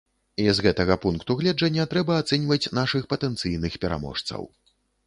І з гэтага пункту гледжання трэба ацэньваць нашых патэнцыйных пераможцаў.